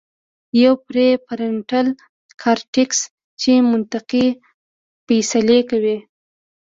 يوه پري فرنټل کارټيکس چې منطقي فېصلې کوي